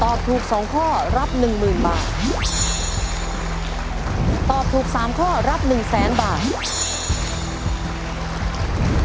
ถูกสองข้อรับหนึ่งหมื่นบาทตอบถูกสามข้อรับหนึ่งแสนบาท